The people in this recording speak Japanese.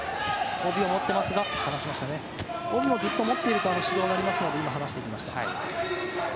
帯をずっと持っていると指導になるので今、放していきました。